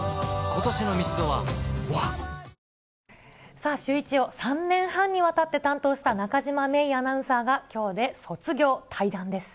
さあシューイチを３年半にわたって担当した中島芽生アナウンサーがきょうで卒業、退団です。